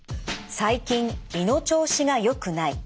最近胃の調子がよくない。